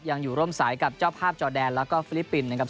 ยังอยู่ร่วมสายกับเจ้าภาพจอแดนแล้วก็ฟิลิปปินส์นะครับ